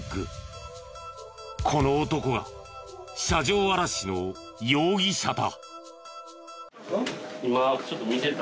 この男が車上あらしの容疑者だ。